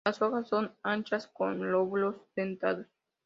Las hojas son anchas con lóbulos dentados.